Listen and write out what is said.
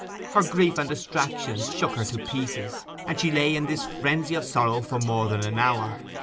Her grief and distraction shook her to pieces; and she lay in this frenzy of sorrow for more than an hour.